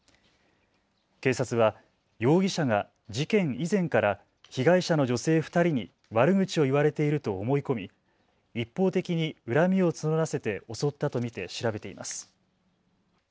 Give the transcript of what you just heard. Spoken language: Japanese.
警察は容疑者が事件以前から被害者の女性２人に悪口を言われていると思い込み一方的に恨みを募らせて襲ったと見て調べています。